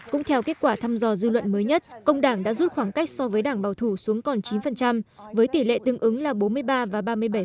cũng theo kết quả thăm dò dư luận mới nhất công đảng đã rút khoảng cách so với đảng bảo thủ xuống còn chín với tỷ lệ tương ứng là bốn mươi ba và ba mươi bảy